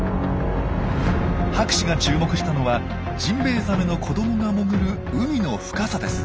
博士が注目したのはジンベエザメの子どもが潜る海の深さです。